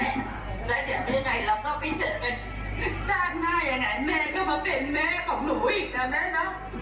แล้วเดี๋ยวยังไงเราก็ไปเจอกันที่ซากหน้ายังไงแม่ก็มาเป็นแม่ของหนูอีกนะแม่เนอะ